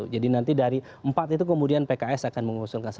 jadi nanti dari empat itu kemudian pks akan mengusulkan satu